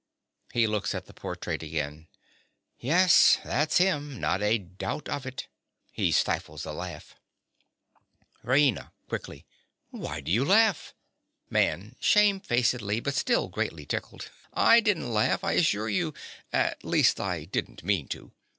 (He looks at the portrait again.) Yes: that's him: not a doubt of it. (He stifles a laugh.) RAINA. (quickly). Why do you laugh? MAN. (shamefacedly, but still greatly tickled). I didn't laugh, I assure you. At least I didn't mean to.